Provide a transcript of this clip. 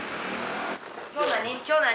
今日何？